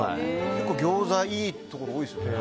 結構ギョーザいいところ多いですよね。